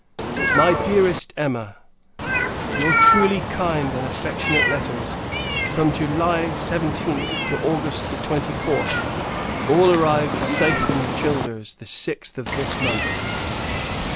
MY DEAREST EMMA, Your truly kind and affectionate letters, from July 17th, to August 24th, all arrived safe in the Childers, the 6th of this month.